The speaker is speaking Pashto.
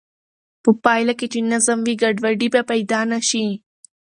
په پایله کې چې نظم وي، ګډوډي به پیدا نه شي.